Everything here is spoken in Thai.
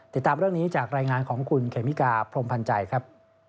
ติดตามเรื่องนี้จากรายงานของคุณเคมิกาพรมพันธ์ใจครับ